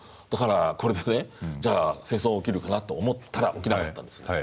だからこれで戦争が起きるかなと思ったら起きなかったんです。